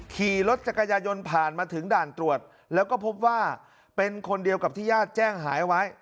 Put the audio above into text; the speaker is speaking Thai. ขี่รถจักรยายนผ่านมาถึงด่านตรวจแล้วก็พบว่าเป็นคนเดียวกับที่ญาติแจ้งหายไว้